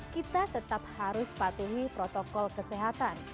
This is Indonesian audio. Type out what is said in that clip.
kita tetap harus patuhi protokol kesehatan